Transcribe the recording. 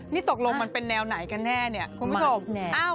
นี่ตกลงมันเป็นแนวไหนกันแน่เนี่ยคุณผู้ชม